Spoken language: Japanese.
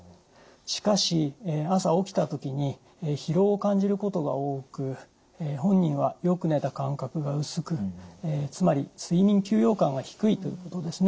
しかし朝起きた時に疲労を感じることが多く本人はよく寝た感覚が薄くつまり睡眠休養感が低いということですね。